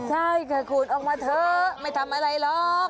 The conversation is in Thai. ใช่ค่ะขูดออกมาเถอะไม่ทำอะไรหรอก